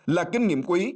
là kinh nghiệm quý